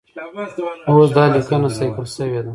اوس دا لیکنه صیقل شوې ده.